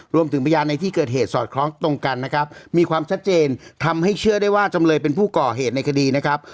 พยานในที่เกิดเหตุสอดคล้องตรงกันนะครับมีความชัดเจนทำให้เชื่อได้ว่าจำเลยเป็นผู้ก่อเหตุในคดีนะครับ